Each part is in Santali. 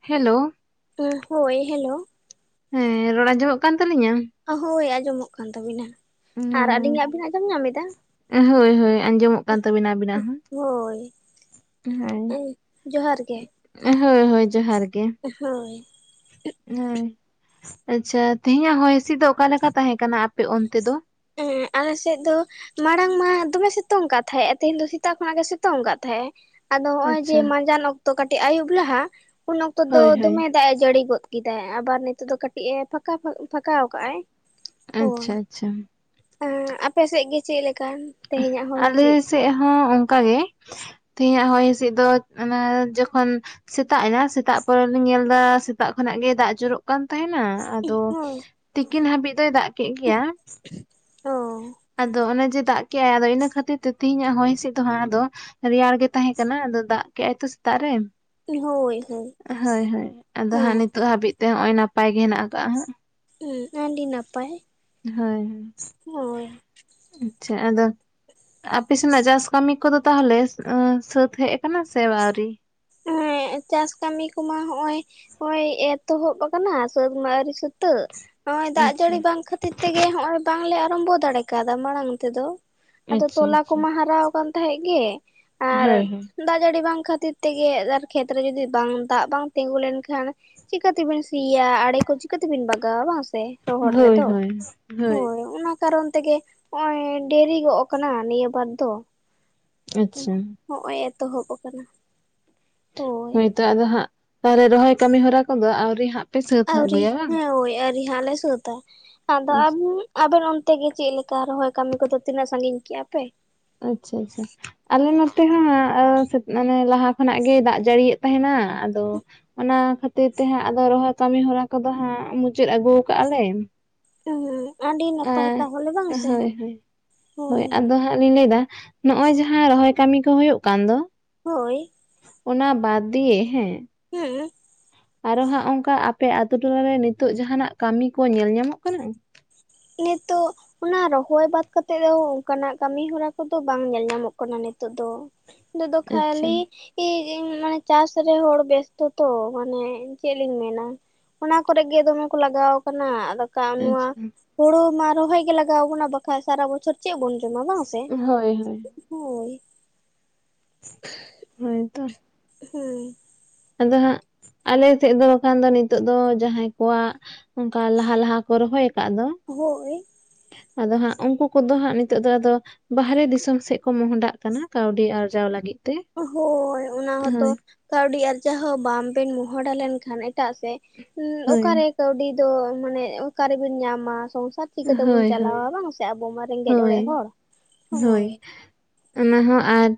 ᱦᱮᱞᱳᱣ᱾ ᱦᱚᱸ ᱦᱳᱭ ᱦᱮᱞᱳ ᱾ ᱦᱮᱸ ᱨᱚᱲ ᱟᱸᱡᱚᱢᱚᱜ ᱠᱟᱱ ᱛᱟᱹᱞᱤᱧᱟᱹ? ᱦᱳᱭ ᱟᱸᱡᱚᱢᱚᱜ ᱠᱟᱱ ᱛᱟᱹᱵᱤᱱᱟ, ᱟᱨ ᱟᱹᱞᱤᱧᱟᱜ ᱵᱤᱱ ᱟᱸᱡᱚᱢ ᱧᱟᱢᱮᱫᱟ? ᱦᱳᱭ ᱦᱳᱭ, ᱟᱸᱡᱚᱢᱚᱜ ᱠᱟᱱ ᱛᱟᱹᱵᱤᱱᱟ ᱟᱹᱵᱤᱱᱟᱜ ᱦᱚᱸ᱾ ᱦᱳᱭ᱾ ᱩᱸ ᱡᱚᱦᱟᱨ ᱜᱮ᱾ ᱦᱳᱭ ᱦᱳᱭ ᱡᱚᱦᱟᱨ ᱜᱮ᱾ ᱦᱳᱭ ᱾ ᱦᱳᱭ ᱟᱪᱪᱷᱟ ᱛᱤᱦᱤᱧᱟᱜ ᱦᱚᱭ ᱦᱤᱥᱤᱫ ᱫᱚ ᱚᱠᱟᱞᱮᱠᱟ ᱛᱟᱦᱮᱸ ᱠᱟᱱᱟ ᱟᱯᱮ ᱚᱱᱛᱮ ᱫᱚ᱾ ᱟᱞᱮ ᱥᱮᱫ ᱫᱚ ᱢᱟᱲᱟᱝ ᱢᱟ ᱫᱚᱢᱮ ᱥᱤᱛᱩᱝ ᱠᱟᱫ ᱛᱟᱦᱮᱸᱜ-ᱮ ᱛᱮᱦᱮᱧ ᱫᱚ ᱥᱮᱛᱟᱜ ᱠᱷᱚᱱᱟᱜ ᱜᱮ ᱥᱤᱛᱩᱝ ᱟᱠᱟᱫ ᱛᱟᱦᱮᱸᱜ-ᱮ ᱟᱫᱚ ᱱᱚᱜᱼᱚᱭ ᱡᱮ ᱟᱪᱪᱷᱟ ᱢᱟᱸᱡᱟᱱ ᱚᱠᱛᱚ ᱠᱟᱹᱴᱤᱡ ᱟᱭᱩᱵ ᱞᱟᱦᱟ ᱩᱱ ᱚᱠᱛᱚ ᱫᱚ ᱦᱳᱭ ᱦᱳᱭ ᱫᱚᱢᱮ ᱫᱟᱜ ᱮ ᱡᱟᱹᱲᱤ ᱜᱚᱫ ᱠᱮᱫᱟᱹᱭ᱾ ᱟᱵᱟᱨ ᱱᱤᱛᱚᱜ ᱫᱚ ᱠᱟᱹᱴᱤᱡ ᱮ ᱯᱷᱟᱸᱠᱟ ᱯᱷᱟᱸᱠᱟᱣ ᱟᱠᱟᱜᱼᱟᱭ ᱦᱳᱭ᱾ ᱟᱪᱪᱷᱟ ᱟᱪᱪᱷᱟ ᱟᱯᱮ ᱥᱮᱜ ᱜᱮ ᱪᱮᱫ ᱞᱮᱠᱟ? ᱛᱮᱦᱮᱧᱟᱜ ᱦᱚᱭ ᱟᱞᱮ ᱦᱤᱸᱥᱤᱫ ᱥᱮᱜ ᱦᱚᱸ ᱚᱝᱠᱟ ᱜᱮ᱾ ᱛᱮᱦᱤᱧᱟᱜ ᱦᱚᱭ ᱦᱤᱸᱥᱤᱫ ᱫᱚ ᱚᱱᱟ ᱡᱚᱠᱷᱚᱱ ᱥᱮᱛᱟᱜ ᱮᱱᱟ ᱥᱮᱛᱟᱜ ᱯᱚᱨᱮᱞᱤᱧ ᱧᱮᱞ ᱫᱟ ᱥᱮᱛᱟᱜ ᱠᱷᱚᱱᱟᱜ ᱜᱮ ᱫᱟᱜ ᱡᱚᱨᱚᱜ ᱠᱟᱱ ᱛᱟᱦᱮᱱᱟ ᱟᱫᱚ ᱦᱳᱭ ᱛᱤᱠᱤᱱ ᱦᱟᱹᱵᱤᱡ ᱫᱚᱭ ᱫᱟᱜ ᱠᱮᱜ ᱜᱮᱭᱟ᱾ ᱚᱸ ᱟᱫᱚ ᱚᱱᱮ ᱡᱮ ᱫᱟᱜ ᱠᱮᱜᱼᱟᱭ ᱟᱫᱚ ᱤᱱᱟᱹ ᱠᱷᱟᱹᱛᱤᱨ ᱛᱮ ᱛᱮᱦᱤᱧᱟᱜ ᱦᱚᱭ ᱦᱤᱸᱥᱤᱫ ᱫᱚ ᱦᱟᱸᱜ ᱟᱫᱚ ᱨᱮᱭᱟᱲ ᱜᱮ ᱛᱟᱦᱮᱸ ᱠᱟᱱᱟ ᱟᱫᱚ ᱫᱟᱜ ᱠᱮᱜᱼᱟᱭ ᱛᱚ ᱥᱮᱛᱟᱜ ᱨᱮ᱾ ᱦᱳᱭ ᱦᱳᱭ ᱦᱳᱭ ᱦᱳᱭ ᱟᱫᱚ ᱦᱟᱸᱜ ᱱᱤᱛᱳᱜ ᱦᱟᱹᱵᱤᱡ ᱛᱮ ᱦᱚᱸᱜᱼᱚᱭ ᱱᱟᱯᱟᱭ ᱜᱮ ᱦᱮᱱᱟᱜ ᱠᱟᱜᱼᱟ ᱦᱟᱸᱜ᱾ ᱦᱩᱸ ᱟᱹᱰᱤ ᱱᱟᱯᱟᱭ᱾ ᱦᱳᱭ ᱦᱮᱸ ᱳᱭ ᱟᱪᱪᱷᱟ ᱟᱫᱚ ᱟᱯᱮ ᱥᱮᱱᱟᱜ ᱪᱟᱥ ᱠᱟᱹᱢᱤ ᱠᱚᱫᱚ ᱛᱟᱦᱞᱮ ᱥᱟᱹᱛ ᱦᱮᱡ ᱟᱠᱟᱱᱟ ᱥᱮ ᱟᱹᱣᱨᱤ? ᱦᱮᱸ ᱪᱟᱥ ᱠᱟᱹᱢᱤ ᱠᱚᱢᱟ ᱦᱚᱜ-ᱚᱭ ᱱᱚᱜ-ᱚᱭ ᱮᱛᱚᱦᱚᱵ ᱟᱠᱟᱱᱟ ᱥᱟᱹᱛ ᱢᱟ ᱟᱣᱨᱤ ᱥᱟᱹᱛ ᱛᱟᱹᱜ ᱱᱚᱜ-ᱚᱭ ᱫᱟᱜ ᱟᱪᱪᱷᱟ ᱡᱟᱹᱲᱤ ᱵᱟᱝ ᱠᱷᱟᱹᱛᱤᱨ ᱛᱮᱜᱮ ᱦᱚᱜ-ᱚᱭ ᱵᱟᱝᱞᱮ ᱟᱨᱚᱢᱵᱚ ᱫᱟᱲᱮ ᱠᱟᱣᱫᱟ ᱢᱟᱲᱟᱝ ᱛᱮᱫᱚ, ᱟᱫᱚ ᱟᱪᱪᱷᱟ ᱛᱚᱞᱟ ᱟᱪᱪᱷᱟ ᱠᱚᱢᱟ ᱦᱟᱨᱟᱣ ᱟᱠᱟᱱ ᱛᱟᱦᱮᱸᱜ ᱜᱮ, ᱟᱨ ᱦᱳᱭ ᱦᱳᱭ ᱫᱟᱜ ᱡᱟᱹᱲᱤ ᱵᱟᱝ ᱠᱷᱟᱹᱛᱤᱨ ᱛᱮᱜᱮ ᱟᱨ ᱠᱷᱮᱛᱨᱮ ᱡᱩᱫᱤ ᱵᱟᱝ ᱫᱟᱜ ᱵᱟᱝ ᱛᱤᱸᱜᱩ ᱞᱮᱱᱠᱷᱟᱱ ᱪᱤᱠᱟᱹ ᱛᱤᱵᱤᱱ ᱥᱤᱭᱟ ᱟᱲᱮ ᱠᱚ ᱪᱤᱠᱟᱹ ᱛᱤᱵᱤᱱ ᱵᱟᱜᱟᱣᱟ ᱵᱟᱝ ᱥᱮ᱾ ᱨᱚᱦᱚᱲ ᱦᱳᱭ ᱨᱮᱫᱚ ᱦᱳᱭ ᱦᱳᱭ ᱚᱱᱟ ᱠᱟᱨᱚᱱ ᱛᱮᱜᱮ ᱦᱚᱜ-ᱚᱭ ᱰᱮᱨᱤ ᱜᱚᱜ ᱟᱠᱟᱱᱟ ᱱᱤᱭᱟᱹ ᱵᱟᱨ ᱫᱚ᱾ ᱟᱪᱪᱷᱟ ᱦᱚᱜ-ᱚᱭ ᱮᱛᱚᱦᱚᱵ ᱟᱠᱟᱱᱟ, ᱦᱳᱭ ᱦᱳᱭᱛᱚ ᱟᱫᱚ ᱦᱟᱸᱜ ᱛᱟᱦᱞᱮ ᱨᱚᱦᱚᱭ ᱠᱟᱹᱢᱤ ᱦᱚᱨᱟ ᱠᱚᱫᱚ ᱟᱹᱣᱨᱤ ᱦᱟᱸᱜ ᱯᱮ ᱥᱟᱹᱛ ᱟᱹᱣᱨᱤ ᱟᱹᱜᱩᱭᱟ ᱵᱟᱝ ᱦᱩᱸᱳᱭ ᱟᱹᱣᱨᱤ ᱦᱟᱸᱜ ᱞᱮ ᱥᱟᱹᱛᱟ ᱟᱫᱚ ᱟᱢᱦᱚ ᱟᱵᱮᱱ ᱚᱱᱛᱮ ᱜᱮ ᱪᱮᱫ ᱞᱮᱠᱟ ᱨᱚᱦᱚᱭ ᱠᱟᱹᱢᱤ ᱠᱚᱫᱚ ᱛᱤᱱᱟᱹᱜ ᱥᱟᱺᱜᱤᱧ ᱠᱮᱜ-ᱟ ᱯᱮ? ᱟᱪᱪᱷᱟ ᱟᱪᱷᱟ ᱟᱞᱮ ᱱᱚᱛᱮ ᱦᱚᱸ ᱢᱟᱱᱮ ᱞᱟᱦᱟ ᱠᱷᱚᱱᱟᱜ ᱜᱮᱭ ᱫᱟᱜ ᱡᱟᱹᱲᱤᱭᱮᱫ ᱛᱟᱦᱮᱱᱟ ᱟᱫᱚ ᱚᱱᱟ ᱠᱷᱟᱹᱛᱤᱨ ᱛᱮ ᱦᱟᱸᱜ ᱟᱫᱚ ᱨᱚᱦᱚᱭ ᱠᱟᱹᱢᱤ ᱦᱚᱨᱟ ᱠᱚᱫᱚ ᱦᱟᱸᱜ ᱢᱩᱪᱟᱹᱫ ᱟᱹᱜᱩ ᱠᱟᱜ-ᱟ ᱞᱮ᱾ ᱩᱦᱩ ᱟᱰᱤ ᱟ ᱦᱳᱭ ᱦᱳᱭ ᱦᱳᱭ ᱟᱫᱚ ᱦᱟᱸᱜ ᱞᱤᱧ ᱞᱟᱹᱭᱫᱟ ᱱᱚᱜ-ᱚᱭ ᱡᱟᱦᱟᱸ ᱨᱚᱦᱚᱭ ᱠᱟᱹᱢᱤ ᱠᱚ ᱦᱳᱭᱳᱜ ᱠᱟᱱ ᱫᱚ ᱦᱳᱭ ᱚᱱᱟ ᱵᱟᱫᱽ ᱫᱤᱭᱮ ᱦᱮᱸ ᱦᱮᱸ ᱟᱨᱚ ᱦᱟᱸᱜ ᱚᱝᱠᱟ ᱟᱯᱮ ᱟᱛᱩ ᱴᱚᱞᱟᱨᱮ ᱱᱤᱛᱳᱜ ᱡᱟᱦᱟᱸᱱᱟᱜ ᱠᱟᱹᱢᱤ ᱠᱚ ᱧᱮᱞ ᱧᱟᱢᱚᱜ ᱠᱟᱱᱟ? ᱱᱮᱛᱳᱜ ᱚᱱᱟ ᱨᱚᱦᱚᱭ ᱵᱟᱛ ᱠᱟᱛᱮᱜ ᱫᱚ ᱚᱱᱠᱟᱱᱟᱜ ᱠᱟᱹᱢᱤ ᱦᱚᱨᱟ ᱠᱚᱫᱚ ᱵᱟᱝ ᱧᱮᱞ ᱧᱟᱢᱚᱜ ᱠᱟᱱᱟ ᱱᱮᱛ ᱱᱤᱛᱚᱜ ᱫᱚ ᱱᱤᱛᱫᱚ ᱟᱪᱪᱷᱟ ᱠᱷᱟᱹᱞᱤ ᱯᱤᱨ ᱤᱱ ᱢᱟᱱᱮ ᱪᱟᱥ ᱨᱮ ᱦᱚᱲ ᱵᱮᱥᱛ ᱛᱚ ᱢᱟᱱᱮ ᱪᱮᱫ ᱞᱤᱧ ᱢᱮᱱᱟ ᱚᱱᱟ ᱠᱚᱨᱮ ᱜᱮ ᱫᱚᱢᱮ ᱠᱚ ᱞᱟᱜᱟᱣ ᱠᱟᱱᱟ ᱟᱫᱚ ᱠᱟ ᱱᱚᱣᱟ ᱟᱪᱪᱷᱟ ᱦᱩᱲᱩ ᱢᱟ ᱨᱚᱦᱚᱭ ᱜᱮ ᱞᱟᱜᱟᱣ ᱣᱟᱠᱟᱱᱟ ᱵᱟᱠᱷᱟᱱ ᱥᱟᱨᱟ ᱵᱚᱪᱷᱚᱨ ᱪᱮᱜ ᱵᱚᱱ ᱡᱚᱢᱟ ᱵᱟᱝ ᱥᱮ? ᱦᱳᱭ ᱦᱳᱭ ᱦᱳᱭ, ᱦᱳᱭ ᱛᱚ ᱦᱩᱸ ᱟᱫᱚ ᱦᱟᱸᱜ ᱟᱞᱮᱥᱮᱫ ᱫᱚ ᱵᱟᱠᱷᱟᱱ ᱫᱚ ᱱᱤᱛᱳᱜ ᱫᱚ ᱡᱟᱦᱟᱸᱭ ᱠᱚᱣᱟᱜ ᱚᱝᱠᱟ ᱞᱟᱦᱟ ᱞᱟᱦᱟ ᱠᱚ ᱨᱚᱦᱚᱭ ᱟᱠᱟᱫ ᱫᱚ ᱦᱳᱭ ᱟᱫᱚ ᱦᱟᱸᱜ ᱩᱝᱠᱩ ᱠᱚᱫᱚ ᱦᱟᱸᱜ ᱱᱤᱛᱳᱜ ᱫᱚ ᱟᱫᱚ ᱵᱟᱦᱨᱮ ᱫᱤᱥᱚᱢ ᱥᱮᱜ ᱠᱚ ᱢᱚᱦᱚᱰᱟᱜ ᱠᱟᱱᱟ ᱠᱟᱹᱣᱰᱤ ᱟᱨᱡᱟᱣ ᱞᱟᱹᱜᱤᱫ᱾ ᱛᱮ ᱦᱳᱭ ᱚᱱᱟ ᱦᱚᱸᱛᱚ ᱦᱳᱭ ᱠᱟᱹᱣᱰᱤ ᱟᱨᱡᱟᱣ ᱦᱚᱸ ᱵᱟᱢᱵᱮᱱ ᱢᱚᱦᱚᱰᱟ ᱞᱮᱱᱠᱷᱟᱱ ᱮᱴᱟᱜ ᱥᱮᱫ ᱦᱳᱭ ᱚᱠᱟᱨᱮ ᱠᱟᱹᱣᱰᱤ ᱫᱚ ᱢᱟᱱᱮ ᱚᱠᱟᱨᱮᱵᱤᱱ ᱧᱟᱢᱟ ᱥᱚᱝᱥᱟᱨ ᱪᱤᱠᱛᱮᱵᱚᱱ ᱦᱳᱭ ᱦᱳᱭ ᱪᱟᱞᱟᱣᱟ ᱵᱟᱝ ᱥᱮ ᱟᱵᱚ ᱢᱟ ᱨᱮᱸᱜᱮᱡ ᱚᱲᱮᱡ ᱦᱳᱭ ᱦᱚᱲ ᱦᱳᱭ ᱚᱱᱟ ᱦᱚᱸ ᱟᱨ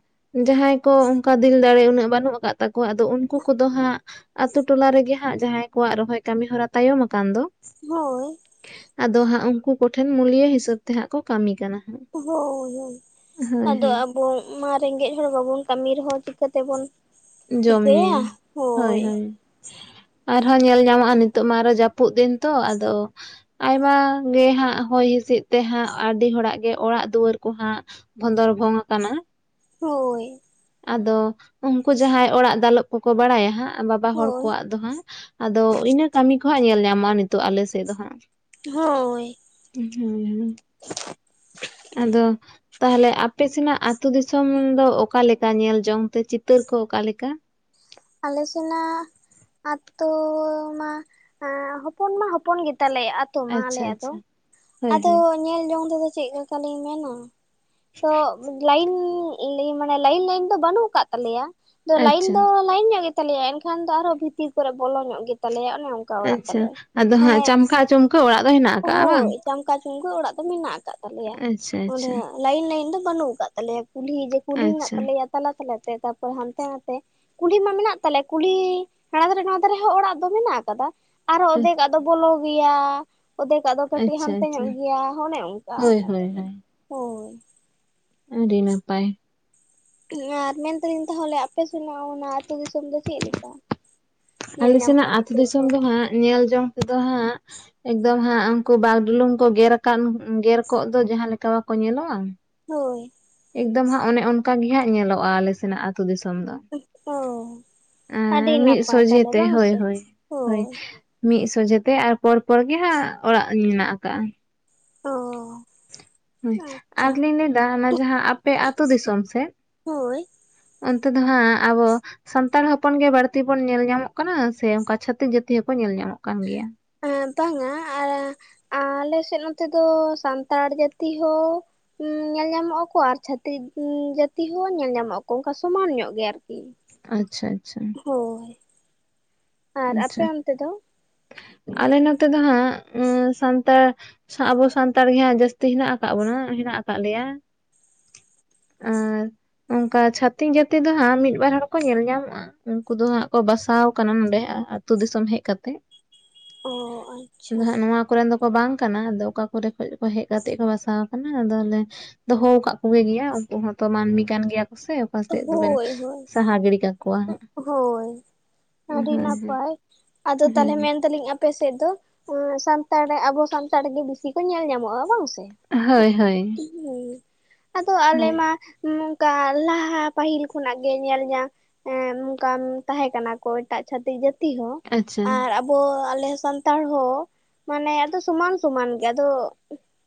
ᱡᱟᱦᱟᱸᱭ ᱠᱚ ᱚᱱᱠᱟ ᱫᱤᱞ ᱫᱟᱲᱮ ᱩᱱᱟᱹᱜ ᱵᱟᱹᱱᱩᱜ ᱟᱠᱟᱫ ᱛᱟᱠᱚᱣᱟ ᱟᱫᱚ ᱩᱱᱠᱩ ᱠᱚᱫᱚ ᱦᱟᱸᱜ ᱟᱛᱳ ᱴᱚᱞᱟ ᱨᱮᱜᱮ ᱦᱟᱸᱜ ᱡᱟᱦᱟᱸᱭ ᱠᱚᱣᱟᱜ ᱨᱚᱦᱚᱭ ᱠᱟᱹᱢᱤ ᱦᱚᱨᱟ ᱛᱟᱭᱚᱢ ᱟᱠᱟᱱ ᱫᱚ ᱦᱳᱭ ᱟᱫᱚ ᱦᱟᱸᱜ ᱩᱱᱠᱩ ᱠᱚ ᱴᱷᱮᱱ ᱢᱩᱞᱤᱭᱟ ᱦᱤᱥᱟᱹᱵ ᱛᱮ ᱦᱟᱸᱜ ᱠᱚ ᱠᱟᱹᱢᱤ ᱠᱟᱱᱟ ᱦᱳᱭ ᱦᱳᱭ ᱦᱳᱭ ᱟᱫᱚ ᱦᱳᱭ ᱟᱵᱚ ᱢᱟ ᱨᱮᱸᱜᱮᱡ ᱦᱚᱲ ᱵᱟᱵᱚᱱ ᱠᱟᱹᱢᱤ ᱨᱮᱦᱚᱸ ᱪᱤᱠᱟᱹᱛᱮᱵᱚᱱ ᱡᱚᱢ ᱧᱩᱭᱟ ᱦᱳᱭ ᱦᱳᱭ ᱟᱨᱦᱚᱸ ᱧᱮᱞ ᱧᱟᱢᱚᱜᱼᱟ ᱱᱤᱛᱚᱜ ᱢᱟ ᱟᱨᱚ ᱡᱟᱹᱯᱩᱫ ᱫᱤᱱ ᱛᱚ ᱟᱫᱚᱼᱼ ᱟᱭᱢᱟ ᱜᱮ ᱦᱟᱸᱜ ᱦᱚᱭ ᱦᱤᱸᱥᱤᱫ ᱛᱮ ᱦᱟᱸᱜ ᱟᱹᱰᱤ ᱦᱚᱲᱟᱜ ᱜᱮ ᱚᱲᱟᱜ ᱫᱩᱣᱟᱹᱨ ᱠᱚ ᱦᱟᱸᱜ ᱵᱷᱚᱸᱫᱚᱨ ᱵᱷᱚᱝ ᱟᱠᱟᱱᱟ ᱦᱳᱭ ᱟᱫᱚ ᱩᱱᱠᱩ ᱡᱟᱦᱟᱸᱭ ᱚᱲᱟᱜ ᱫᱟᱞᱚᱵ ᱠᱚᱠᱚ ᱵᱟᱲᱟᱭᱟ ᱦᱟᱸᱜ ᱵᱟᱵᱟ ᱦᱚᱲ ᱦᱳᱭ ᱠᱚᱣᱟᱜ ᱫᱚ ᱦᱟᱸᱜ ᱟᱫᱚ ᱤᱱᱟᱹ ᱠᱟᱹᱢᱤ ᱠᱚ ᱦᱟᱸᱜ ᱧᱮᱞ ᱧᱟᱢᱚᱜᱼᱟ ᱱᱤᱛᱚᱜ ᱟᱞᱮ ᱥᱮᱫ ᱫᱚ ᱦᱟᱸᱜ ᱦᱳᱭ [unintelligible] ᱟᱫᱚ ᱛᱟᱦᱚᱞᱮ ᱟᱯᱮ ᱥᱮᱱᱟᱜ ᱟᱹᱛᱩ ᱫᱤᱥᱚᱢ ᱫᱚ ᱚᱠᱟ ᱞᱮᱠᱟ ᱧᱮᱞ ᱡᱚᱝ ᱛᱮ ᱪᱤᱛᱟᱹᱨ ᱠᱚ ᱚᱠᱟ ᱞᱮᱠᱟ? ᱟᱞᱮ ᱥᱮᱱᱟᱜ ᱟᱛᱳ ᱢᱟ ᱦᱚᱯᱚᱱ ᱢᱟ ᱦᱚᱯᱚᱱ ᱜᱮᱛᱟ ᱞᱮ ᱛᱟ ᱢᱟ ᱟᱪᱪᱷᱟ ᱟᱞᱮᱭᱟᱜ ᱫᱚ ᱟᱪᱪᱷᱟ ᱦᱳᱭ ᱟᱫᱚᱼᱼ ᱦᱳᱭ ᱧᱮᱞ ᱡᱚᱝ ᱛᱮᱫᱚ ᱪᱮᱫ ᱞᱮᱠᱟ ᱞᱤᱧ ᱢᱮᱱᱟ ᱛᱚ ᱞᱟᱭᱤᱱᱼᱼ ᱞᱟᱹᱭ ᱢᱟᱱᱮ ᱞᱟᱹᱭᱤᱱ ᱞᱟᱹᱭᱤᱱ ᱫᱚ ᱵᱟᱹᱱᱩᱜ ᱟᱠᱟᱫ ᱛᱟᱞᱮᱭᱟ ᱞᱟᱭᱤᱱ ᱟᱪᱪᱷᱟ ᱫᱚᱼᱼ ᱞᱟᱭᱤᱱ ᱧᱚᱜ ᱜᱮᱛᱟ ᱞᱮᱭᱟ ᱮᱱᱠᱷᱟᱱ ᱫᱚ ᱟᱨᱦᱚᱸ ᱵᱷᱤᱛᱤᱨ ᱠᱚᱨᱮ ᱵᱚᱞᱚ ᱧᱚᱜ ᱜᱮ ᱛᱟᱞᱮᱭᱟ ᱚᱱᱮ ᱚᱱᱠᱟ ᱚᱲᱟᱜ ᱟᱪᱪᱷᱟ ᱛᱟᱞᱮ ᱟᱫᱚ ᱦᱟᱸᱜ ᱢᱟᱱᱮ ᱪᱟᱢᱠᱟ ᱪᱩᱢᱠᱟᱹ ᱚᱲᱟᱜ ᱫᱚ ᱦᱮᱱᱟᱜ ᱟᱠᱟᱜᱼᱟ ᱵᱟᱝ ᱦᱳᱭ ᱪᱟᱢᱠᱟ ᱪᱩᱢᱠᱟᱹ ᱚᱲᱟᱜ ᱫᱚ ᱢᱮᱱᱟᱜ ᱟᱠᱟᱫ ᱛᱟᱞᱮᱭᱟ ᱟᱪᱪᱷᱟ ᱚᱸᱰᱮ ᱟᱪᱪᱷᱟ ᱞᱟᱭᱤᱱ ᱞᱟᱭᱤᱱ ᱫᱚ ᱵᱟᱹᱱᱩᱜ ᱟᱠᱟᱫ ᱛᱟᱞᱮᱭᱟ ᱠᱩᱞᱦᱤ ᱡᱮ ᱠᱩᱞᱦᱤ ᱢᱮᱱᱟᱜ ᱟᱪᱪᱷᱟ ᱛᱟᱞᱮᱭᱟ ᱛᱟᱞᱟ ᱛᱟᱞᱟ ᱛᱮ ᱛᱟᱯᱚᱨ ᱦᱟᱱᱛᱮ ᱱᱟᱛᱮ ᱠᱩᱞᱦᱤ ᱢᱟ ᱢᱮᱱᱟᱜ ᱛᱟᱞᱮ ᱠᱩᱞᱦᱤ ᱦᱟᱱᱟ ᱫᱷᱟᱨᱮ ᱱᱚᱣᱟ ᱫᱷᱟᱨᱮ ᱦᱚᱸ ᱚᱲᱟᱜ ᱫᱚ ᱢᱮᱱᱟᱜ ᱟᱠᱟᱫᱟ ᱟᱨᱦᱚ ᱚᱫᱷᱮᱠ ᱟᱜ ᱫᱚ ᱵᱚᱞᱚ ᱜᱮᱭᱟ ᱚᱫᱷᱮᱠᱟᱜ ᱫᱚ ᱠᱟᱹᱴᱤᱡ ᱟᱪᱪᱷᱟ ᱦᱟᱱᱛᱮ ᱟᱪᱪᱷᱟ ᱧᱚᱜ ᱜᱮᱭᱟ ᱚᱱᱮ ᱚᱱᱠᱟ ᱦᱳᱭ ᱠᱟᱱ ᱦᱳᱭ ᱛᱟᱞᱮᱭᱟ ᱦᱳᱭ ᱦᱳᱭ ᱟᱹᱰᱤ ᱱᱟᱯᱟᱭᱼᱼ ᱟᱨ ᱢᱮᱱ ᱫᱟᱞᱤᱧ ᱛᱟᱦᱚᱞᱮ ᱟᱯᱮ ᱥᱮᱱᱟᱜ ᱚᱱᱟ ᱟᱹᱛᱩ ᱫᱤᱥᱚᱢ ᱫᱚ ᱪᱮᱫ ᱞᱮᱠᱟ? ᱧᱮᱞ ᱟᱞᱮ ᱧᱟᱢᱚᱜᱼᱟ ᱥᱮᱱᱟᱜ ᱟᱹᱛᱩ ᱪᱤᱛᱟᱹᱨ ᱫᱤᱥᱚᱢ ᱠᱚ ᱫᱚ ᱦᱟᱸᱜ ᱧᱮᱞ ᱡᱚᱝ ᱛᱮᱫᱚ ᱦᱟᱸᱜ ᱮᱠᱫᱚᱢ ᱦᱟᱸᱜ ᱩᱱᱠᱩ ᱵᱟᱜᱰᱩᱞᱩᱝ ᱠᱚ ᱜᱮᱨ ᱟᱠᱟᱱ ᱜᱮᱨ ᱠᱚᱜ ᱫᱚ ᱡᱟᱸᱦᱟ ᱞᱮᱠᱟ ᱵᱟᱠᱚ ᱧᱮᱞᱚᱜᱼᱟ ᱦᱳᱭ ᱮᱠᱫᱚᱢ ᱦᱟᱸᱜ ᱚᱱᱮ ᱚᱱᱠᱟ ᱜᱮ ᱦᱟᱸᱜ ᱧᱮᱞᱚᱜᱼᱟ ᱟᱞᱮ ᱥᱮᱱᱟᱜ ᱟᱛᱳ ᱫᱤᱥᱚᱢ ᱫᱚ ᱚ ᱮᱸ ᱟᱹᱰᱤ ᱢᱤᱫ ᱱᱟᱯᱟᱭ ᱥᱚᱡᱷᱮ ᱛᱟᱦᱚᱞᱮ ᱛᱮ ᱵᱟᱝ ᱦᱳᱭ ᱥᱮ ᱦᱳᱭ ᱦᱳᱭ ᱢᱤᱫ ᱥᱚᱡᱷᱮ ᱛᱮ ᱟᱨ ᱯᱚᱨ ᱯᱚᱨ ᱜᱮ ᱦᱟᱸᱜ ᱚᱲᱟᱜ ᱢᱮᱱᱟᱜ ᱟᱠᱟᱜᱼᱟ ᱚᱸ ᱦᱩᱸ ᱟᱨᱞᱤᱧ ᱞᱟᱹᱭᱫᱟ ᱚᱱᱟ ᱡᱟᱦᱟᱸ ᱟᱯᱮ ᱟᱹᱛᱳ ᱫᱤᱥᱚᱢ ᱥᱮᱫ ᱦᱳᱭ ᱚᱱᱛᱮ ᱫᱚ ᱦᱟᱸᱜ ᱟᱵᱚᱼᱼ ᱥᱟᱱᱛᱟᱲ ᱦᱚᱯᱚᱱ ᱜᱮ ᱵᱟᱹᱲᱛᱤ ᱵᱚᱱ ᱧᱮᱞ ᱧᱟᱢᱚᱜ ᱠᱟᱱᱟ ᱥᱮ ᱚᱱᱠᱟ ᱪᱷᱟᱛᱤᱠ ᱡᱟᱹᱛᱤ ᱦᱚᱸᱠᱚ ᱧᱮᱞ ᱧᱟᱢᱚᱜ ᱠᱟᱱ ᱜᱮᱭᱟ ᱮᱸ ᱵᱟᱝᱼᱟ ᱟᱨᱼᱼ ᱟᱞᱮ ᱥᱮᱫ ᱱᱚᱛᱮ ᱫᱚ ᱥᱟᱱᱛᱟᱲ ᱡᱟᱹᱛᱤ ᱦᱚᱸᱼᱼ ᱧᱮᱞ ᱧᱟᱢᱚᱜ ᱟᱠᱚ ᱟᱨ ᱪᱷᱟᱛᱤᱠ ᱡᱟᱛᱤ ᱦᱚᱸ ᱧᱮᱞ ᱧᱟᱢᱚᱜ ᱟᱠᱚ ᱚᱱᱠᱟ ᱥᱚᱢᱟᱱ ᱧᱚᱜ ᱜᱮ ᱟᱨᱠᱤ ᱟᱪᱪᱷᱟ ᱟᱪᱪᱷᱟ ᱦᱳᱭ ᱟᱨ ᱟᱯᱮ ᱟᱪᱪᱷᱟ ᱚᱱᱛᱮ ᱫᱚᱼᱼ ᱟᱞᱮ ᱱᱚᱛᱮ ᱫᱚ ᱦᱟᱸᱜ ᱥᱟᱱᱛᱟᱲᱼᱼ ᱟᱵᱚ ᱥᱟᱱᱛᱟᱲ ᱜᱮ ᱦᱟᱸᱜ ᱡᱟᱹᱥᱛᱤ ᱦᱮᱱᱟᱜ ᱠᱟᱜᱵᱚᱱᱟ ᱦᱮᱱᱟᱜ ᱠᱟᱫ ᱞᱮᱭᱟ᱾ ᱟᱨ ᱚᱱᱠᱟ ᱪᱷᱟᱛᱤᱠ ᱡᱟᱹᱛᱤ ᱫᱚ ᱦᱟᱸᱜ ᱢᱤᱫ ᱵᱟᱨ ᱦᱚᱲ ᱠᱚ ᱧᱮᱞ ᱧᱟᱢᱚᱜᱼᱟ᱾ ᱩᱱᱠᱩ ᱫᱚ ᱦᱟᱸᱜ ᱠᱚ ᱵᱟᱥᱟᱣ ᱠᱟᱱᱟ ᱱᱚᱰᱮ ᱟᱹᱛᱩ ᱫᱤᱥᱚᱢ ᱦᱮᱡ ᱠᱟᱛᱮ᱾ ᱚᱻ ᱟᱫᱚ ᱟᱪᱪᱷᱟ ᱦᱟᱸᱜ ᱱᱚᱣᱟ ᱠᱚᱨᱮᱱ ᱫᱚ ᱠᱚ ᱵᱟᱝ ᱠᱟᱱᱟ ᱟᱫᱚ ᱚᱠᱟ ᱠᱚᱨᱮ ᱠᱷᱚᱡ ᱠᱚ ᱦᱮᱡ ᱠᱟᱛᱮᱜ ᱠᱚ ᱵᱟᱥᱟᱣ ᱟᱠᱟᱱᱟ ᱟᱫᱚ ᱟᱞᱮᱼᱼ ᱫᱚᱦᱚ ᱠᱟᱜ ᱠᱚᱜᱮ ᱜᱮᱭᱟ ᱩᱱᱠᱩ ᱦᱚᱸᱛᱚ ᱢᱟᱹᱱᱢᱤ ᱠᱟᱱ ᱜᱮᱭᱟ ᱠᱚ ᱥᱮᱼᱼ ᱚᱠᱟ ᱥᱮᱫ ᱫᱚᱵᱮᱱ ᱦᱳᱭ ᱦᱳᱭ ᱥᱟᱦᱟ ᱜᱤᱲᱤ ᱠᱟᱠᱚᱣᱟ ᱦᱟᱸᱜ ᱦᱮᱸ ᱯᱟᱭ ᱟᱫᱚ ᱛᱟᱦᱚᱞᱮ ᱢᱮᱱᱼᱼ ᱛᱟᱞᱤᱧ ᱟᱯᱮ ᱥᱮᱫ ᱫᱚ ᱥᱟᱱᱛᱟᱲ ᱟᱵᱚ ᱥᱟᱱᱛᱟᱲᱜᱮ ᱵᱤᱥᱤ ᱠᱚ ᱧᱮᱞ ᱧᱟᱢᱚᱜᱼᱟ ᱵᱟᱝ ᱥᱮ? ᱦᱳᱭ ᱦᱳᱭ ᱦᱩᱸ ᱟᱫᱚ ᱟᱞᱮ ᱦᱳᱭ ᱢᱟ ᱱᱚᱝᱠᱟ ᱞᱟᱦᱟᱼᱼ ᱦᱟᱸ ᱯᱟᱹᱦᱤᱞ ᱠᱷᱚᱱᱟᱜ ᱜᱮ ᱧᱮᱞ ᱧᱟᱢ ᱮ ᱚᱱᱠᱟ ᱛᱟᱦᱮᱸ ᱠᱟᱱᱟ ᱠᱚ ᱮᱴᱟᱜ ᱪᱷᱟᱛᱤᱠ ᱡᱟᱹᱛ ᱛᱤ ᱦᱚᱸ ᱟᱪᱪᱷᱟ ᱟᱨᱼᱼ ᱟᱵᱚ ᱟᱞᱮ ᱥᱟᱱᱛᱟᱲ ᱦᱚᱸ ᱢᱟᱱᱮ ᱟᱫᱚ ᱥᱚᱢᱟᱱ ᱥᱚᱢᱟᱱ ᱜᱮ ᱟᱫᱚᱼᱼ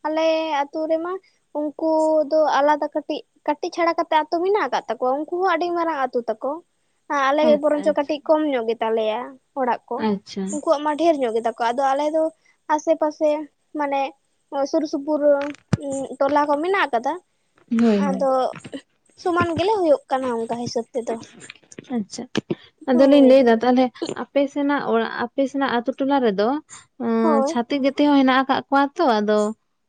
ᱟᱞᱮ ᱟᱛᱳ ᱨᱮᱢᱟ ᱩᱱᱠᱩ ᱫᱚ ᱟᱞᱟᱫᱟ ᱠᱟᱹᱴᱤᱡ ᱠᱟᱹᱴᱤᱡ ᱪᱷᱟᱲᱟ ᱠᱟᱛᱮᱜ ᱟᱛᱳ ᱢᱮᱱᱟᱜᱼᱼ ᱠᱟᱜ ᱛᱟᱠᱚᱣᱟ ᱩᱱᱠᱩ ᱦᱚᱸ ᱟᱹᱰᱤ ᱢᱟᱨᱟᱝ ᱟᱹᱛᱩ ᱛᱟᱠᱚ ᱟᱞᱮᱜᱮ ᱟᱪᱪᱷᱟ ᱵᱚᱨᱚᱝ ᱪᱚ ᱟᱪᱪᱷᱟ ᱠᱟᱹᱴᱤᱡ ᱠᱚᱢ ᱧᱚᱜ ᱜᱮᱛᱟᱞᱮᱭᱟ᱾ ᱚᱲᱟᱜ ᱠᱚ ᱟᱪᱪᱷᱟ ᱩᱱᱠᱩᱣᱟᱜ ᱢᱟ ᱰᱷᱮᱨ ᱧᱚᱜ ᱜᱮᱛᱟ ᱠᱚᱣᱟ ᱟᱫᱚ ᱟᱞᱮ ᱫᱚ ᱟᱥᱮ ᱯᱟᱥᱮ ᱢᱟᱱᱮᱼᱼ ᱥᱩᱨ ᱥᱩᱯᱩᱨ ᱴᱚᱞᱟ ᱠᱚ ᱢᱮᱱᱟᱜ ᱟᱠᱟᱫᱟ᱾ ᱦᱳᱭ ᱦᱳᱭ ᱟᱫᱚ ᱥᱚᱢᱟᱱ ᱜᱮᱞᱮ ᱦᱩᱭᱩᱜ ᱠᱟᱱᱟ ᱚᱱᱠᱟ ᱦᱤᱥᱟᱹᱵ ᱛᱮᱫᱚ᱾ ᱟᱪᱪᱷᱟ ᱟᱫᱚᱞᱤᱧ ᱦᱳᱭ ᱞᱟᱹᱭᱫᱟ ᱛᱟᱦᱚᱞᱮᱼᱼ ᱟᱯ ᱥᱮᱱᱟᱜ ᱚᱲᱟᱜ ᱟᱯᱮ ᱥᱮᱱᱟᱜ ᱟᱛ ᱴᱚᱞᱟ ᱨᱮᱫᱚ ᱦᱳᱭ ᱪᱷᱟᱼᱼ ᱛᱤᱠ ᱡᱟᱹᱛᱤ ᱦᱚᱸ ᱦᱮᱱᱟᱜ ᱠᱟᱜ ᱠᱚᱣᱟ ᱛᱚ ᱟᱫᱚ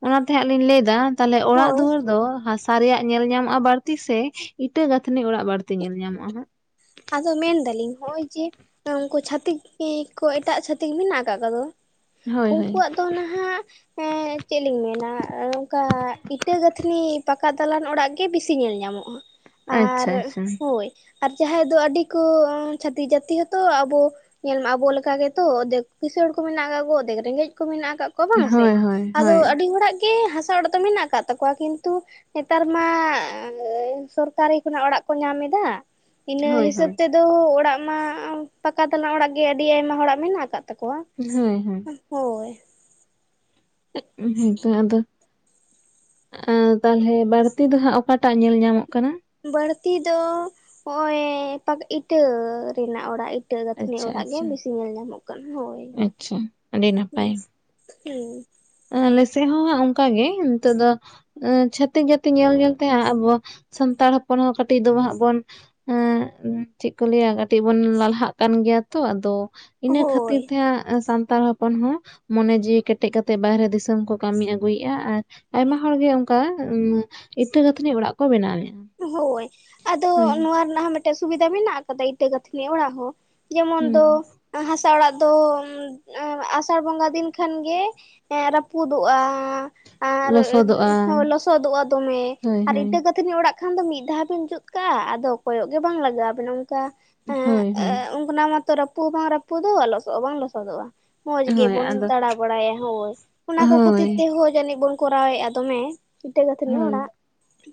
ᱚᱱᱟᱛᱮ ᱦᱟᱸᱜ ᱞᱤᱧ ᱞᱟᱹᱭᱫᱟ ᱛᱟᱦᱚᱞᱮ ᱚᱲᱟᱜ ᱦᱳᱭ ᱫᱩᱣᱟᱹᱨ ᱫᱚ ᱦᱟᱸᱥᱟᱼᱼ ᱥᱟᱨᱮ ᱨᱮᱭᱟᱜ ᱧᱮᱞ ᱧᱟᱢᱚᱜᱼᱟ ᱵᱟᱹᱲᱛᱤ ᱥᱮ ᱤᱴᱟᱹ ᱜᱟᱛᱷᱱᱤ ᱚᱲᱟᱜ ᱵᱟᱹᱲᱛᱤ ᱧᱮᱞ ᱧᱟᱢᱚᱜᱼᱟ? ᱟᱫᱚ ᱢᱮᱱ ᱫᱟᱞᱤᱧ ᱦᱚᱸᱜ ᱚᱭ ᱡᱮᱼᱼ ᱩᱱᱠᱩ ᱪᱷᱟᱹᱛᱤᱠ ᱠᱚ ᱮᱴᱟᱜ ᱪᱷᱟᱛᱤᱠ ᱢᱮᱱᱟᱜ ᱠᱟᱜ ᱠᱚᱫᱚ᱾ ᱦᱟᱸᱜ ᱦᱳᱭ ᱦᱳᱭ ᱩᱱᱠᱩᱣᱟᱜ ᱫᱚ ᱱᱟᱦᱟᱜᱼᱼ ᱮᱸ ᱪᱮᱫ ᱞᱤᱧ ᱢᱮᱱᱟ ᱚᱝᱠᱟ ᱤᱴᱟᱹ ᱜᱟᱛᱷᱱᱤ ᱯᱟᱠᱟ ᱫᱟᱞᱟᱱ ᱚᱲᱟᱜ ᱜᱮ ᱵᱤᱥᱤ ᱧᱮᱞ ᱧᱟᱢᱚᱜᱼᱟ᱾ ᱟᱨ ᱟᱪᱪᱷᱟ ᱟᱪᱪᱷᱟ ᱦᱳᱭ ᱟᱨ ᱡᱟᱦᱟᱸᱭ ᱫᱚ ᱟᱹᱰᱤ ᱠᱚ ᱪᱟᱹᱛᱤᱠ ᱡᱟᱹᱛᱤ ᱦᱚᱸᱛᱚ ᱟᱵᱚᱼᱼ ᱧᱮᱞ ᱢᱮ ᱟᱵᱚ ᱞᱮᱠᱟ ᱜᱮᱛᱚ ᱟᱫᱷᱮᱠ ᱠᱤᱥᱥᱬ ᱠᱚ ᱢᱮᱱᱟᱜ ᱠᱟᱜ ᱠᱚᱣᱟ ᱚᱫᱷᱮᱠ ᱨᱮᱸᱜᱮᱡ ᱠᱚ ᱢᱮᱱᱟᱜ ᱠᱟᱫ ᱠᱚᱣᱟ᱾ ᱠᱚ ᱵᱟᱝ ᱥᱮ ᱦᱳᱭ ᱦᱳᱭ ᱟᱫᱚ ᱦᱳᱭ ᱟᱹᱰᱤ ᱦᱚᱲᱟᱜ ᱜᱮ ᱦᱟᱸᱥᱟ ᱚᱲᱟᱜ ᱫᱚ ᱢᱮᱱᱟᱜ ᱠᱟᱜ ᱛᱟᱠᱚᱣᱟ ᱠᱤᱱᱛᱩᱼᱼ ᱱᱮᱛᱟᱨ ᱢᱟ ᱥᱚᱨᱠᱟᱨᱤ ᱠᱷᱚᱱᱟᱜ ᱚᱲᱟᱜ ᱠᱚ ᱧᱟᱢ ᱮᱫᱟ ᱤᱱᱟᱹ ᱦᱳᱭ ᱦᱤᱥᱟᱹᱵ ᱦᱳᱭ ᱛᱮᱼᱼ ᱟᱫᱚ ᱚᱲᱟᱜ ᱢᱟ ᱯᱟᱠᱟ ᱫᱟᱞᱟᱝ ᱚᱲᱟᱜ ᱜᱮ ᱟᱹᱰᱤ ᱟᱭᱢᱟ ᱦᱚᱲᱟᱜ ᱢᱮᱱᱟᱜ ᱟᱠᱟᱫ ᱛᱟᱠᱚᱣᱟ᱾ ᱦᱮᱸ ᱦᱮᱸ ᱦᱳᱭ ᱦᱮᱸᱛᱚ ᱟᱫᱚᱼᱼ ᱟᱸ ᱛᱟᱦᱚᱞᱮ ᱵᱟᱹᱲᱛᱤ ᱫᱚ ᱦᱟᱸᱜ ᱚᱠᱟᱴᱟᱜ ᱧᱮᱞ ᱧᱟᱢᱚᱜ ᱠᱟᱱᱟ᱾ ᱵᱟᱹᱲᱛᱤ ᱫᱚ ᱦᱚᱜᱼ ᱚᱚᱭ ᱯᱟ ᱤᱴᱟᱹ ᱨᱮᱱᱟᱜ ᱚᱲᱟᱜ᱾ ᱤᱴᱟᱹ ᱜᱟᱹᱛᱷᱤ ᱟᱪᱪᱷᱟ ᱚᱲᱟᱜ ᱜᱮ ᱟᱪᱪᱷᱟ ᱵᱤᱥᱤ ᱧᱮᱞ ᱧᱟᱢᱚᱜᱼᱼ ᱦᱳᱭ ᱟᱪᱪᱷᱟ ᱦᱩᱸᱼᱼ ᱟᱞᱮᱥᱮᱫ ᱦᱚᱸ ᱚᱱᱠᱟᱜ ᱜᱮ ᱱᱤᱛᱚᱜ ᱫᱚᱼᱼ ᱪᱷᱷᱟᱛᱤᱠ ᱡᱟᱹᱛᱮ ᱧᱮᱞ ᱧᱮᱞ ᱛᱮ ᱟᱵᱚ ᱥᱟᱱᱛᱟᱲ ᱦᱚᱯᱚᱱ ᱦᱚᱸ ᱠᱟᱹᱴᱤᱡ ᱫᱚ ᱦᱟᱸᱜ ᱵᱚᱱᱼᱼ ᱦᱮᱸ ᱪᱮᱫ ᱠᱚ ᱞᱟᱹᱭᱟ ᱠᱟᱹᱴᱤᱡ ᱵᱚᱱ ᱞᱟᱞᱦᱟᱜ ᱠᱟᱱ ᱜᱮᱭᱟ ᱛᱚ ᱟᱫᱚ ᱤᱱᱟᱹ ᱠᱷᱟᱛᱼᱼ ᱦᱳᱭ ᱟᱸ ᱥᱟᱱᱛᱟᱲ ᱦᱚᱯᱚᱱ ᱦᱚᱸ ᱢᱚᱱᱮ ᱡᱤᱣᱤ ᱠᱮᱴᱮᱡ ᱠᱟᱛᱮᱫ ᱵᱟᱦᱨᱮ ᱫᱤᱥᱚᱢ ᱠᱚ ᱠᱟᱹᱢᱤ ᱟᱹᱜᱩᱭᱮᱜᱼᱟ ᱟᱨ ᱟᱭᱢᱟ ᱦᱚᱲᱜᱤ ᱚᱝᱠᱟ ᱩᱸ ᱤᱴᱟᱹ ᱜᱟᱛᱷᱱᱤ ᱚᱲᱟᱜ ᱠᱚ ᱵᱮᱱᱟᱣᱮᱫ ᱦᱳᱭ ᱟᱫᱚ ᱱᱚᱣᱟ ᱨᱮᱱᱟᱜ ᱦᱚᱸ ᱢᱤᱫᱴᱮᱡ ᱥᱩᱵᱤᱫᱷᱟ ᱢᱮᱱᱟᱜ ᱟᱠᱟᱫᱟ, ᱤᱴᱟᱹ ᱜᱟᱹᱛᱷᱱᱤ ᱚᱲᱟᱜ ᱦᱚᱸ᱾ ᱡᱮᱢᱚᱱ ᱫᱚ ᱦᱩᱸ ᱦᱟᱥᱟ ᱚᱲᱟᱜ ᱫᱚ ᱟᱥᱟᱲ ᱵᱚᱸᱜᱟ ᱫᱤᱱ ᱠᱷᱟᱱ ᱜᱮ, ᱮᱸ ᱨᱟᱹᱯᱩᱫᱚᱜᱼᱟ᱾ ᱟᱨ ᱞᱚᱥᱚᱫᱚᱜᱼᱟ ᱦᱚ ᱞᱚᱥᱚᱫᱚᱜᱼᱟ ᱫᱚᱢᱮ, ᱦᱳᱭ ᱟᱨ ᱦᱳᱭ ᱤᱴᱟᱹ ᱜᱟᱛᱷᱱᱤ ᱚᱲᱟᱜ, ᱠᱷᱟᱱ ᱫᱚ ᱢᱤᱫ ᱫᱷᱟᱣ ᱵᱮᱱ ᱡᱩᱛ ᱠᱟᱜᱼᱟ, ᱟᱫᱚ ᱠᱚᱭᱚᱜ ᱜᱮ ᱵᱟᱝ ᱞᱟᱜᱟᱜ ᱵᱮᱱᱟ ᱚᱱᱠᱟ᱾ ᱦᱳᱭ, ᱦᱳᱭ ᱚᱱᱟ ᱢᱟᱛᱚ ᱨᱟᱹᱯᱩ ᱦᱚᱸ ᱵᱟᱝ ᱨᱟᱹᱯᱩᱫᱚᱜᱼᱟ, ᱞᱚᱥᱚᱫ ᱦᱚᱸ ᱵᱟᱝ ᱞᱚᱥᱚᱫᱚᱜᱼᱟ᱾ ᱢᱚᱡᱽ ᱦᱳᱭ ᱜᱮᱵᱚᱱ ᱟᱫᱚ ᱫᱟᱬᱟ ᱵᱟᱲᱟᱭᱟ ᱦᱳᱭ, ᱚᱱᱟ ᱠᱚ ᱠᱷᱟᱹᱛᱤᱨ ᱦᱳᱭ ᱛᱮᱦᱚᱸ ᱡᱟᱹᱱᱤᱡ ᱵᱚᱱ ᱠᱚᱨᱟᱣᱮᱫᱼᱟ ᱫᱚᱢᱮ ᱤᱴᱟᱹ ᱜᱟᱹᱛᱷᱱᱤ ᱦᱳᱭ ᱚᱲᱟᱜ,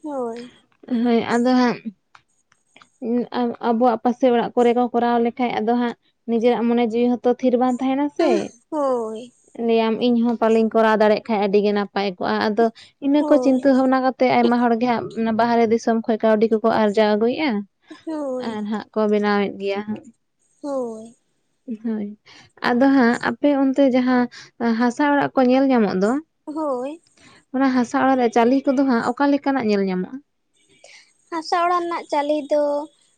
ᱦᱳᱭ ᱦᱳᱭ ᱟᱫᱚ ᱦᱟᱸᱜ ᱟᱵᱚᱣᱟᱜ ᱯᱟᱥᱮ ᱚᱲᱟᱜ ᱠᱚᱨᱮ ᱠᱚ ᱠᱚᱨᱟᱣ ᱞᱮᱠᱷᱟᱡ ᱟᱫᱚ ᱦᱟᱸᱜ ᱱᱤᱡᱮᱨᱟᱜ ᱢᱚᱱᱮ ᱡᱤᱣᱤ ᱦᱚᱸ ᱛᱚ ᱛᱷᱤᱨ ᱵᱟᱝ ᱛᱟᱦᱮᱱᱟ ᱥᱮ, ᱦᱳᱭ ᱞᱟᱹᱭᱟᱢ ᱤᱧ ᱦᱚᱸ ᱯᱟᱞᱮᱧ ᱠᱚᱨᱟᱣ ᱫᱟᱲᱮᱭᱟᱜ ᱠᱷᱟᱱᱡ ᱟᱹᱰᱤᱜᱮ ᱱᱟᱯᱟᱭ ᱠᱚᱜᱼᱟ᱾ᱟᱫᱚ ᱤᱱᱟᱹ ᱠᱚ ᱪᱤᱱᱛᱟᱹ ᱦᱳᱭ ᱵᱷᱟᱵᱱᱟ ᱠᱟᱛᱮᱜ ᱟᱭᱢᱟ ᱦᱚᱲ ᱜᱮ ᱦᱟᱸᱜ ᱵᱟᱦᱨᱮ ᱫᱤᱥᱚᱢ ᱠᱷᱚᱱ ᱠᱟᱹᱣᱰᱤ ᱠᱚᱠᱚ ᱟᱨᱡᱟᱣ ᱟᱹᱜᱩᱭᱮᱫᱼᱟ᱾ ᱦᱳᱭ ᱟᱨ ᱦᱟᱸᱜ ᱠᱚ ᱵᱮᱱᱟᱣᱮᱫ ᱜᱮᱭᱟ ᱦᱟᱸᱜ, ᱦᱳᱭ ᱦᱳᱭ ᱟᱫᱚ ᱦᱟᱸᱜ ᱟᱯᱮ ᱚᱱᱛᱮ ᱡᱟᱦᱟᱸ, ᱦᱟᱥᱟ ᱚᱲᱟᱜ ᱠᱚ ᱧᱮᱞ ᱧᱟᱢᱚᱜ ᱫᱚ ᱦᱳᱭ ᱚᱱᱟ ᱦᱟᱥᱟ ᱚᱲᱟᱜ ᱨᱮᱭᱟ ᱪᱟᱹᱞᱤ ᱠᱚᱫᱚ ᱦᱟᱸᱜ ᱚᱠᱟᱞᱮᱠᱟᱱᱟᱜ ᱧᱮᱞ ᱧᱟᱢᱚᱜᱼᱟ? ᱦᱟᱥᱟ ᱚᱲᱟᱜ ᱨᱮᱱᱟᱜ ᱪᱟᱹᱞᱤ ᱫᱚ,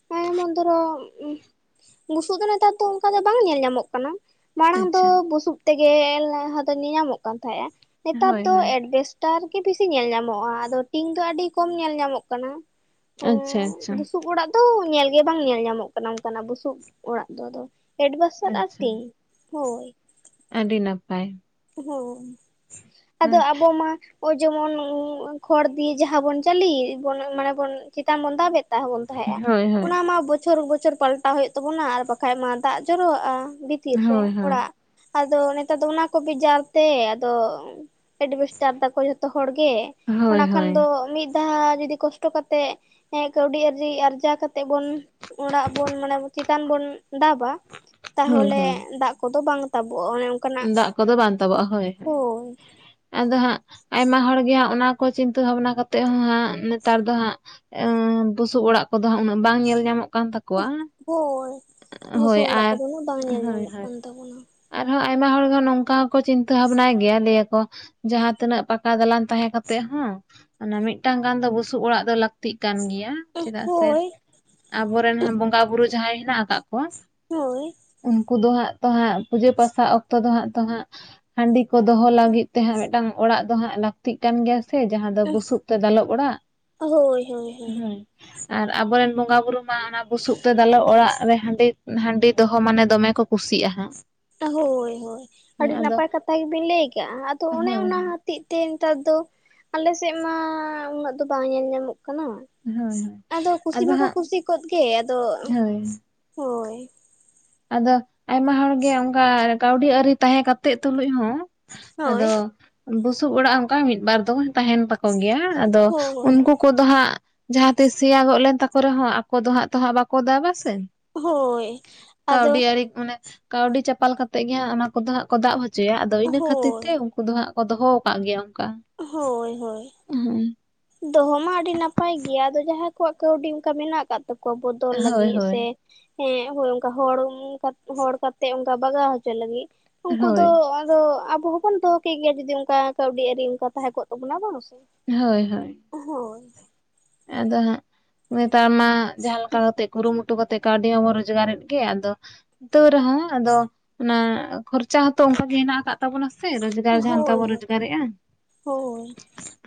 ᱡᱚᱢᱚᱱ ᱫᱷᱚᱨᱚ ᱵᱩᱥᱩᱜ ᱫᱚ ᱱᱮᱛᱟᱨ ᱫᱚ ᱚᱱᱠᱟ ᱫᱚ ᱵᱟᱝ ᱧᱮᱞ ᱧᱟᱢᱚᱜ ᱠᱟᱱᱟ᱾ ᱢᱟᱲᱟᱝ ᱫᱚ ᱟᱪᱪᱷᱟ ᱵᱩᱥᱩᱵ ᱛᱮᱜᱮ ᱞᱟᱦᱟ ᱫᱚ ᱧᱮᱧᱟᱢᱚᱜ ᱠᱟᱱ ᱛᱟᱦᱮᱸᱜᱼᱟ᱾ ᱱᱮᱛᱟᱨ ᱦᱳᱭ ᱫᱚ ᱦᱳᱭ ᱮᱵᱮᱥᱴᱼᱼ ᱴᱠᱴᱟᱨ ᱜᱮ ᱵᱮᱥᱤ ᱧᱮᱞ ᱧᱟᱢᱚᱜᱼᱟ, ᱟᱫᱚ ᱴᱤᱝ ᱫᱚ ᱟᱹᱰᱤ ᱠᱚᱢ ᱧᱮᱞ ᱧᱟᱢᱚᱜ ᱠᱟᱱᱟ᱾ ᱦᱮᱸ ᱟᱪᱪᱷᱟ ᱟᱪᱪᱷᱟ ᱵᱩᱥᱩᱵ ᱚᱲᱟᱜ ᱫᱚ ᱧᱮᱞᱜᱮ ᱵᱟᱝ ᱧᱮᱞ ᱧᱟᱢᱚᱜ ᱠᱟᱱᱟ ᱚᱱᱠᱟᱱᱟᱜ ᱵᱩᱥᱩᱵ ᱚᱲᱟᱜ ᱫᱚ ᱟᱫ, ᱮᱰᱵᱷᱮᱥᱟᱞ ᱟᱨ ᱟᱪᱪᱷᱟ ᱴᱤᱧ ᱦᱳᱭ, ᱟᱹᱰᱤ ᱱᱟᱯᱟᱭ, ᱦᱳᱭ ᱟᱫᱚ ᱦᱳᱭ ᱟᱵᱚ ᱢᱟ, ᱡᱮᱢᱚᱱ ᱠᱷᱚᱲ ᱫᱤᱭᱮ ᱡᱟᱦᱟᱸ ᱵᱚᱱ ᱪᱟᱹᱞᱤ ᱮᱫ ᱢᱟᱱᱮ ᱵᱚᱱ ᱪᱮᱛᱟᱱ ᱵᱚᱱ ᱫᱟᱵᱮ ᱛᱟᱦᱮ ᱵᱚᱱ᱾ ᱛᱟᱦᱮᱸᱼᱟ ᱦᱳᱭ ᱦᱳᱭ ᱚᱱᱟ ᱢᱟ ᱵᱚᱪᱷᱚᱨ ᱵᱚᱪᱷᱚᱨ ᱯᱟᱞᱴᱟᱣ ᱦᱩᱭᱩᱜ ᱛᱟᱵᱚᱱᱟ, ᱟᱨ ᱵᱟᱠᱷᱟᱡ ᱢᱟ ᱫᱟᱜ ᱡᱚᱨᱚᱣᱟᱜᱼ ᱟ ᱛᱤᱨ ᱦᱳᱭ ᱨᱮ ᱦᱳᱭ ᱚᱲᱟᱜ ᱟᱫᱚ ᱱᱮᱛᱟᱨ ᱫᱚ ᱚᱱᱟ ᱠᱚ ᱵᱮᱡᱟᱨ ᱛᱮ ᱟᱫᱚ, ᱮᱰᱵᱮᱥᱴᱟᱨ ᱫᱟᱠᱚ ᱡᱷᱚᱛᱚ ᱦᱚᱲ ᱜᱮ, ᱚᱱᱟ ᱦᱳᱭ ᱠᱷᱟᱱ ᱫᱚ ᱦᱳᱭ ᱢᱤᱫ ᱡᱟᱦᱟᱸ ᱡᱩᱫᱤ ᱠᱚᱥᱴᱚ ᱠᱟᱛᱮᱫ ᱮ ᱠᱟᱹᱣᱰᱤ ᱟᱨᱡᱤ ᱟᱨᱡᱟᱣ ᱠᱟᱛᱮᱫ ᱵᱚᱱ ᱚᱲᱟᱜ ᱵᱚᱱ ᱢᱟᱱᱮ ᱪᱮᱛᱟᱱ ᱵᱚᱱ ᱫᱟᱵᱟ, ᱦᱳᱭ ᱛᱟᱦᱚᱞᱮ ᱦᱳᱭ ᱫᱟᱜ ᱠᱚᱫᱚ ᱵᱟᱝ ᱛᱟᱵᱚᱜᱼᱟ ᱚᱱᱮ ᱚᱱᱼᱼ ᱫᱟᱜ ᱠᱚᱫᱚ ᱵᱟᱝ ᱛᱟᱵᱟᱜᱼᱟ ᱦᱳᱭ, ᱦᱳᱭ ᱟᱫᱚ ᱦᱟᱸᱜ ᱟᱭᱢᱟ ᱦᱚᱲ ᱜᱮ ᱦᱟᱸᱜ ᱚᱱᱟ ᱠᱚ ᱪᱤᱱᱛᱟᱹ ᱵᱷᱟᱵᱱᱟ ᱠᱟᱛᱮᱜ ᱦᱚᱸ ᱦᱟᱸᱜ ᱱᱮᱛᱟᱨ ᱫᱚ ᱦᱟᱸᱜ, ᱵᱩᱥᱩᱵ ᱚᱲᱟᱜ ᱠᱚᱫᱚ ᱦᱟᱸᱜ ᱩᱱᱟᱹᱜ ᱵᱟᱝ ᱧᱮᱞ ᱧᱟᱢᱚᱜ ᱠᱟᱱ ᱛᱟᱠᱚᱣᱟ ᱦᱳᱭ, ᱦᱳᱭ ᱵᱩᱥᱩᱵ ᱚᱲᱟᱜ ᱟᱨ ᱠᱚᱫᱚ ᱩᱱᱟᱹᱜ ᱵᱟᱝ ᱧᱮᱞ ᱦᱳᱭ ᱧᱟᱢᱚᱜ ᱦᱳᱭ ᱠᱟᱱ ᱛᱟᱵᱚᱱᱟ᱾ ᱟᱨᱦᱚᱸ ᱟᱭᱢᱟ ᱦᱚᱲ ᱫᱚ ᱱᱚᱝᱠᱟ ᱦᱚᱸᱠᱚ ᱪᱤᱱᱛᱟᱹ ᱵᱷᱟᱵᱱᱟᱭ ᱜᱮᱭᱟ ᱞᱟᱹᱭᱟᱠᱚ, ᱡᱟᱦᱟᱸ ᱛᱤᱱᱟᱹᱜ ᱯᱟᱠᱟ ᱫᱟᱞᱟᱱ ᱛᱟᱦᱮᱸ ᱠᱟᱛᱮᱜ ᱦᱚᱸ ᱚᱱᱟ ᱢᱤᱫᱴᱟᱝ ᱜᱟᱱ ᱫᱚ ᱵᱩᱥᱩᱵ ᱚᱲᱟᱜ ᱫᱚ ᱞᱟᱹᱠᱛᱤᱜ ᱠᱟᱱ ᱜᱮᱭᱟ᱾ ᱪᱮᱫᱟᱜ ᱥᱮ ᱦᱳᱭ ᱟᱵᱚᱨᱮᱱ ᱵᱚᱸᱜᱟ ᱵᱩᱨᱩ ᱡᱟᱦᱟᱸᱭ ᱦᱮᱱᱟᱜ ᱟᱠᱟᱜ ᱠᱚᱣᱟ ᱦᱳᱭ ᱩᱱᱠᱩ ᱫᱚ ᱦᱟᱸᱜ ᱛᱚ ᱦᱟᱸᱜ ᱯᱩᱡᱟᱹ ᱯᱟᱥ ᱥᱟᱵ ᱚᱠᱛᱚ ᱫᱚ ᱦᱟᱸᱜ ᱛᱚ ᱦᱟᱸᱜ ᱦᱟᱺᱰᱤ ᱠᱚ ᱫᱚᱦᱚ ᱞᱟᱹᱜᱤᱫ ᱛᱮ ᱦᱟᱸᱜ ᱢᱤᱫᱴᱟᱝ ᱚᱲᱟᱜ ᱫᱚ ᱦᱟᱸᱜ ᱞᱟᱹᱠᱛᱤᱜ ᱠᱟᱱ ᱜᱮᱭᱟ ᱥᱮ ᱡᱟᱦᱟᱸ ᱫᱚ ᱵᱩᱥᱩᱵ ᱛᱮ ᱫᱟᱞᱚᱵ ᱚᱲᱟᱜ, ᱦᱳᱭ ᱦᱳᱭ ᱦᱳᱭ ᱦᱮᱸ᱾ ᱟᱨ ᱟᱵᱚᱨᱮᱱ ᱵᱚᱸᱜᱟ ᱵᱩᱨᱩ ᱢᱟ ᱚᱱᱟ ᱵᱩᱥᱩᱵ ᱛᱮ ᱫᱟᱞᱚ ᱚᱲᱟᱜ ᱨᱮ ᱦᱟᱺᱰᱤ ᱦᱟᱺᱰᱤ ᱫᱚᱦᱚ ᱢᱟᱱᱮ ᱫᱚᱢᱮ ᱠᱚ ᱠᱩᱥᱤᱜᱼᱟ ᱦᱟᱸᱜ᱾ ᱛᱟ ᱦᱳᱭ ᱦᱳᱭ, ᱦᱮᱸ ᱟᱹᱰᱤ ᱟᱫᱚ ᱱᱟᱯᱟᱭ ᱠᱟᱛᱷᱟ ᱜᱮᱵᱤᱱ ᱞᱟᱹᱭ ᱠᱟᱜᱼᱟ ᱟᱫᱚ ᱚᱱᱮ ᱦᱳᱭ ᱚᱱᱟ ᱦᱳᱭ ᱦᱚ ᱛᱮᱡ ᱛᱮ ᱱᱮᱛᱟᱨ ᱫᱚ ᱟᱞᱮ ᱥᱮᱫ ᱢᱟ ᱩᱱᱟᱹᱜ ᱫᱚ ᱵᱟᱝ ᱧᱮᱞ ᱧᱟᱢᱚᱜ ᱠᱟᱱᱟ᱾ ᱦᱳᱭ ᱟᱫᱚ ᱠᱩᱥᱤ ᱢᱟᱠᱚ ᱠᱩᱥᱤ ᱠᱚᱫ ᱜᱮ ᱟᱫᱚ, ᱦᱳᱭ ᱦᱳᱭ᱾ ᱟᱫᱚ ᱟᱭᱢᱟ ᱦᱚᱲ ᱜᱮ ᱚᱝᱜᱟ ᱠᱟᱹᱣᱰᱤ ᱟᱹᱨᱤ ᱛᱟᱦᱮᱸ ᱠᱟᱛᱮᱫ ᱛᱩᱞᱩᱡ ᱦᱚᱸ ᱦᱳᱭ ᱟᱫᱚ ᱵᱩᱥᱩᱵ ᱚᱲᱟᱜ ᱚᱱᱠᱟ ᱢᱤᱫ ᱵᱟᱨ ᱫᱚ ᱛᱟᱦᱮᱸᱱ ᱛᱟᱠᱚ ᱜᱮᱭᱟ᱾ ᱟᱫᱚ ᱦᱳᱭ ᱩᱱᱠᱩ ᱠᱚᱫ ᱫᱚ ᱦᱟᱸᱜ ᱡᱟᱦᱟᱸ ᱛᱤᱥ ᱥᱮᱭᱟ ᱜᱚᱜ ᱞᱮᱱ ᱛᱟᱠᱚ ᱨᱮᱦᱚᱸ ᱟᱠᱚ ᱫᱚ ᱦᱟᱸᱜ ᱛᱚ ᱦᱟᱸᱜ ᱵᱟᱠᱚ ᱫᱟᱵ-ᱟ ᱥᱮ᱾ ᱦᱳᱭ᱾ ᱟᱫᱚ ᱠᱟᱹᱣᱰᱤ ᱟᱹᱨᱤ ᱢᱟᱱᱮ ᱠᱟᱹᱣᱰᱤ ᱪᱟᱯᱟᱞ ᱠᱟᱛᱮᱜ ᱜᱮ ᱦᱟᱸᱜ ᱚᱱᱟ ᱠᱚᱫᱚ ᱦᱟᱸᱜ ᱠᱚ ᱫᱟᱵ ᱦᱚᱪ ᱡᱮᱭᱟᱜ ᱫᱚ ᱤᱱᱟᱹ ᱠᱷᱟᱹᱛᱤᱨ ᱦᱳᱭ ᱛᱮ ᱩᱱᱠᱩ ᱫᱚ ᱦᱟᱸᱜ ᱠᱚ ᱫᱚᱦᱚ ᱠᱟᱜ ᱜᱮᱭᱟ ᱚᱱᱠᱟ᱾ ᱦᱳᱭ ᱦᱳᱭ᱾ ᱦᱩᱸ᱾ ᱫᱚᱦᱚ ᱢᱟ ᱟᱹᱰᱤ ᱱᱟᱯᱟᱭ ᱜᱮᱭᱟ ᱟᱫᱚ ᱡᱟᱦᱟᱸᱭ ᱠᱚᱣᱟᱜ ᱠᱟᱹᱣᱰᱤ ᱚᱱᱠᱟ ᱢᱮᱱᱟᱜ ᱠᱟᱜ ᱛᱟᱠᱚᱣᱟ ᱵᱚᱫᱚᱞ ᱦᱳᱭ ᱞᱟᱹᱜᱤᱫ ᱦᱳᱭ ᱥᱮ ᱦᱮᱸ ᱦᱳᱭ ᱚᱱᱠᱟ ᱦᱚᱲ ᱩᱱᱠᱟ ᱦᱚᱲ ᱠᱟᱛᱮᱫ ᱚᱱᱠᱟ ᱵᱟᱜᱟᱣ ᱦᱚᱪᱚ ᱞᱟᱹᱜᱤᱫ᱾ ᱩᱱᱠᱩ ᱫᱚ ᱦᱳᱭ ᱟᱫᱚ ᱟᱵᱚ ᱦᱚᱸᱵᱚᱱ ᱫᱚᱦᱚ ᱠᱮᱜᱮᱭᱟ ᱡᱩᱫᱤ ᱚᱱᱠᱟ ᱠᱟᱹᱣᱰᱤ ᱟᱨᱤ ᱚᱱᱠᱟ ᱛᱟᱦᱮᱸ ᱠᱚᱜ ᱛᱟᱵᱚᱱᱟ, ᱵᱟᱝ ᱥᱮ? ᱦᱳᱭ ᱦᱳᱭ᱾ ᱦᱳᱭ᱾ ᱟᱫᱚ ᱦᱟᱸᱜ ᱱᱤᱛᱟᱨ ᱢᱟ ᱡᱟᱦᱟᱸ ᱞᱮᱠᱟ ᱠᱟᱛᱮᱜ ᱠᱩᱨᱩᱢᱩᱴᱩ ᱠᱟᱛᱮᱜ ᱠᱟᱹᱣᱰᱤ ᱦᱚᱸᱵᱚᱱ ᱨᱚᱡᱽᱜᱟᱨᱮᱫ ᱜᱮ ᱟᱫᱚ ᱛᱟᱹᱣ ᱨᱮᱦᱚᱸ ᱟᱫᱚ ᱚᱱᱟ ᱠᱷᱚᱨᱪᱟ ᱦᱚᱸᱛᱚ ᱚᱱᱠᱟᱜᱮ ᱦᱮᱱᱟᱜ ᱟᱠᱟᱫ ᱛᱟᱵᱚᱱᱟ ᱥᱮ ᱨᱳᱡ ᱜᱟᱨ ᱡᱟᱦᱟᱸ ᱞᱮᱠᱟ ᱦᱳᱭ ᱵᱚᱱ ᱦᱳᱭ ᱨᱳᱡᱽᱜᱟᱨᱮᱜᱼᱟ ᱦᱳᱭ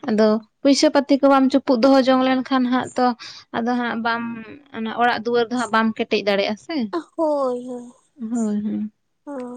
ᱟᱫᱚ ᱯᱩᱭᱥᱟᱹ ᱯᱟᱹᱛᱤ ᱠᱚ ᱵᱟᱢ ᱪᱩᱯᱩᱫ ᱫᱚᱦᱚ ᱡᱚᱝ ᱞᱮᱱᱠᱷᱟᱱ ᱦᱟᱸᱜ ᱛᱚ ᱟᱫᱚ ᱦᱟᱸᱜ ᱵᱟᱢ ᱚᱱᱮ ᱚᱲᱟᱜ ᱫᱩᱣᱟᱹᱨ ᱫᱚ ᱦᱟᱸᱜ ᱵᱟᱢ ᱠᱮᱴᱮᱡ ᱫᱟᱲᱮᱭᱟᱜ-ᱟ ᱥᱮ᱾ ᱟ ᱦᱳᱭ ᱦᱳᱭ᱾ ᱦᱳᱭ ᱦᱳᱭ᱾ ᱦᱳᱭ